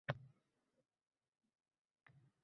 Ammo bu davlatdan olmasdi.